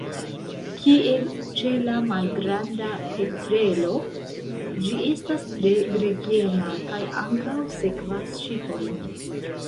Kiel ĉe la Malgranda petrelo, ĝi estas tre gregema, kaj ankaŭ sekvas ŝipojn.